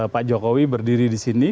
pak jokowi berdiri di sini